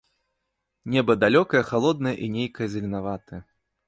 Неба далёкае, халоднае і нейкае зеленаватае.